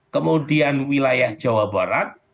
kemudian wilayah jawa barat